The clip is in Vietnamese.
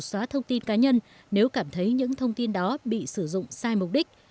xóa thông tin cá nhân nếu cảm thấy những thông tin đó bị sử dụng sai mục đích